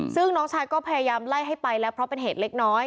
ซึ่งน้องชายก็พยายามไล่ให้ไปแล้วเพราะเป็นเหตุเล็กน้อย